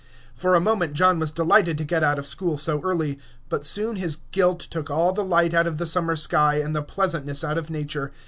For a moment John was delighted to get out of school so early; but soon his guilt took all the light out of the summer sky and the pleasantness out of nature.